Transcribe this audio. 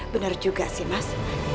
bener juga sih mas